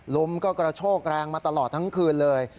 ลมก็กระโชกแรงมาตลอดทั้งคืนเลย